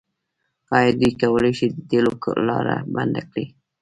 آیا دوی کولی شي د تیلو لاره بنده کړي؟